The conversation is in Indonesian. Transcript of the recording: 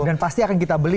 dan pasti akan kita beli